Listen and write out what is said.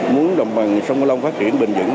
muốn đồng bằng sông cổ long phát triển bình dẫn